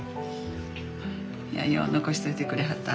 よう残しといてくれはった。